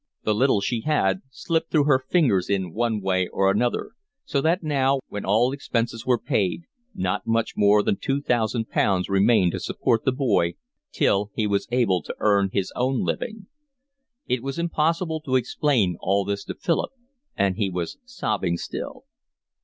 The little she had slipped through her fingers in one way and another, so that now, when all expenses were paid, not much more than two thousand pounds remained to support the boy till he was able to earn his own living. It was impossible to explain all this to Philip and he was sobbing still.